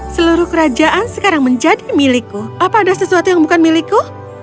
seluruh kerajaan sekarang menjadi milikku apa ada sesuatu yang bukan milikku